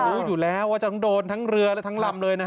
รู้อยู่แล้วว่าทั้งโดนทั้งเรือและทั้งลำเลยนะ